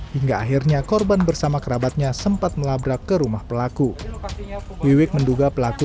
hingga akhirnya korban bersama kerabatnya sempat melabrak ke rumah pelaku wiwik menduga pelaku